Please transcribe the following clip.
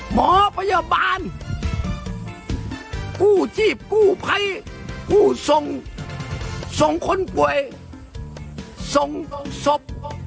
หมอพยาบาลกู้ชีพกู้ภัยผู้ส่งส่งคนป่วยส่งศพ